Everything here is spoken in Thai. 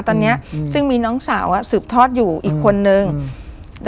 ตอนเนี้ยอืมซึ่งมีน้องสาวอ่ะสืบทอดอยู่อีกคนนึง